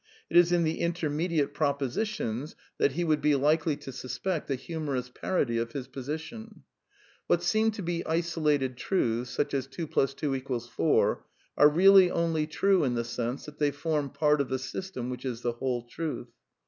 It is in the intermediate propositions that he would be 192 A DEFENCE OF IDEALISM likely to suspect a humorous parody of his position: " What seem to be isolated truths, such as 2 + 2 = 4, are really only true in the sense that they form part of the system which is the whole truth.